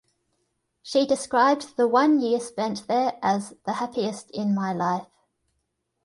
She described the one year spent there as the "happiest in my life".